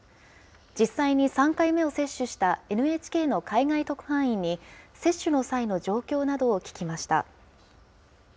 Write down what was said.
実際に３回目を接種したＮＨＫの海外特派員に、接種の際の状況などを聞きました。